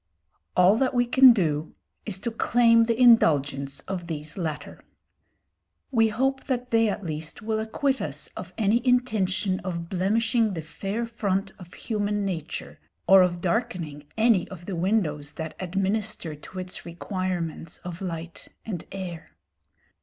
All that we can do is to claim the indulgence of these latter. We hope that they at least will acquit us of any intention of blemishing the fair front of human nature, or of darkening any of the windows that administer to its requirements of light and air.